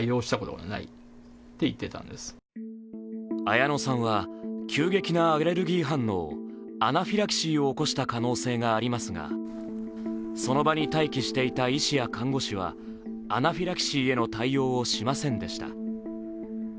綾乃さんは急激なアレルギー反応、アナフィラキシーを起こした可能性がありますがその場に待機していた医師や看護師はアナフィラキシーへの対応をしませんでした。